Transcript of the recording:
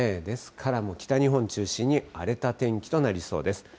ですから、もう北日本中心に荒れた天気となりそうです。